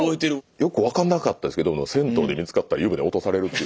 よく分かんなかったですけど銭湯で見つかったら湯船落とされる。